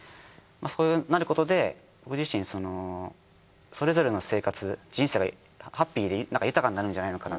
そうなることで僕自身それぞれの生活人生がハッピーで豊かになるんじゃないのかな